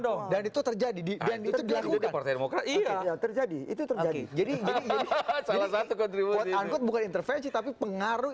dong dan itu terjadi di partai demokrat terjadi itu terjadi jadi bukan intervensi tapi pengaruh